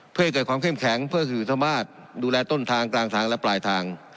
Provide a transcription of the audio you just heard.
เพื่อให้เกิดความเข้มแข็งเพื่อสื่อสามารถดูแลต้นทางกลางทางและปลายทาง